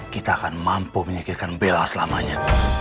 kita akan mampu menyekirkan bella selamanya